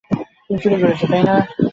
তোমার আবার কিসের দরকার?